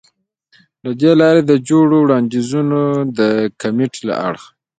له دې لارې د جوړو وړاندیزونه د کمیت له اړخه